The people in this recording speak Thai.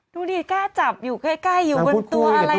ดูดิแก้จับอยู่ใกล้อยู่บนตัวอะไรไม่เหมือนอะไร